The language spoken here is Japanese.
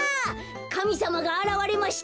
かみさまがあらわれました。